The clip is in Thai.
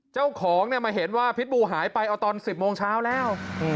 เจ้าของมาเห็นว่าพิษบูหายไปเอาตอน๑๐โมงเช้าแล้ว